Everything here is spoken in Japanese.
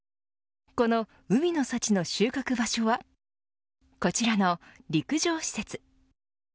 この海の幸の収穫場所はこちらの陸上施設。